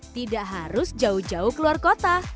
tidak harus jauh jauh keluar kota